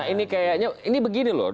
ini kayaknya ini begini loh